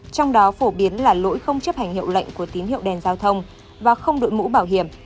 trong đó phổ biến là lỗi không chấp hành hiệu lệnh của tín hiệu đèn giao thông và không đội mũ bảo hiểm